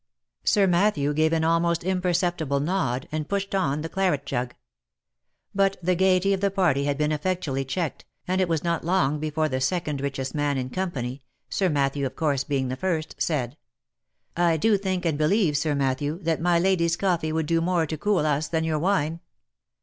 Sir Matthew gave an almost imperceptible nod, and pushed on the claret jug; but the gaiety of the party had been effectually checked, and it was not long before the second richest man in com pany (Sir Matthew of course being the first) said, " I do think and OF MICHAEL ARMSTRONG. / believe, Sir Matthew, that my lady's coffee would do more to cool us than your wine."